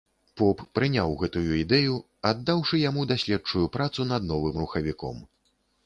Поп прыняў гэтую ідэю, аддаўшы яму даследчую працу над новым рухавіком.